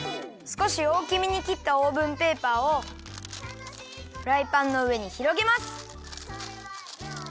すこしおおきめにきったオーブンペーパーをフライパンのうえにひろげます。